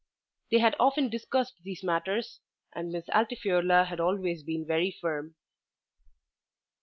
They had often discussed these matters, and Miss Altifiorla had always been very firm.